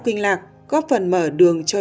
kinh lạc góp phần mở đường cho